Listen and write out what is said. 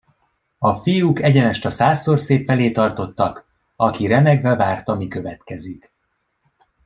A fiúk egyenest a százszorszép felé tartottak, aki remegve várta, mi következik.